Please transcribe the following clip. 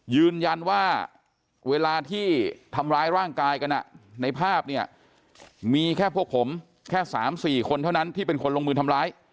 ยืนยันว่าเวลาที่ทำร้ายร่างกายกันในภาพมีแค่พวกผม